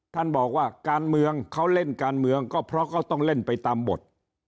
ท่านบอกว่าการเมืองเขาเล่นการเมืองก็เพราะเขาต้องเล่นไปตามบท